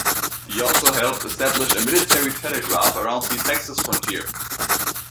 He also helped establish a military telegraph around the Texas frontier.